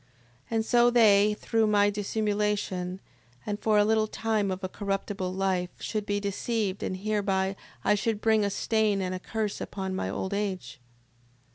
And so they, through my dissimulation, and for a little time of a corruptible life, should be deceived, and hereby I should bring a stain and a curse upon my old age.